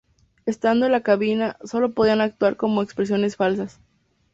Estando en la cabina, sólo podía actuar con expresiones faciales.